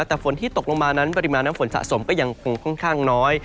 แต่ฝนที่ตกลงมานั้นปริมาณน้ำฝนสะสมก็ยังคงค่อนข้างน้อย